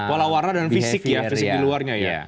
pola warna dan fisik ya fisik di luarnya ya